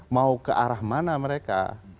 mau ke arah mana mereka